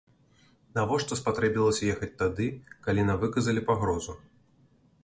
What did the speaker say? Навошта спатрэбілася ехаць тады, калі нам выказалі пагрозу?